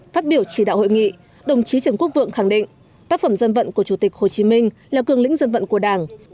phát biểu chỉ đạo hội nghị đồng chí trần quốc vượng khẳng định tác phẩm dân vận của chủ tịch hồ chí minh là cường lĩnh dân vận của đảng